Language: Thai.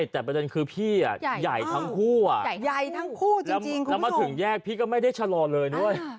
แต่ประเด็นคือพี่ใหญ่ทั้งคู่อ่ะใหญ่ทั้งคู่จริงแล้วมาถึงแยกพี่ก็ไม่ได้ชะลอเลยด้วย